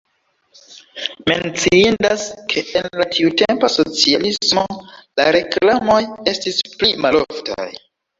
Menciindas, ke en la tiutempa socialismo la reklamoj estis pli maloftaj.